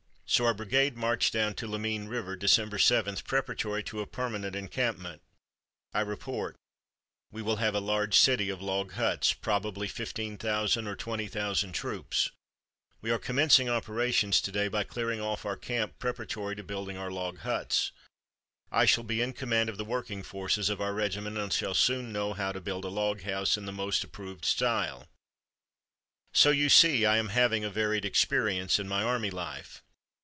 So our brigade marched down to Lamine River December 7, preparatory to a permanent encampment. I report: "We will have a large city of log huts, probably 15,000 or 20,000 troops. We are commencing operations to day by clearing off our camp, preparatory to building our log huts. I shall be in command of the working forces of our regiment and shall soon know how to build a log house in the most approved style. So you see I am having a varied experience in my army life."